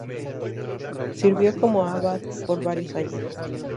Sirvió como abad por varios años.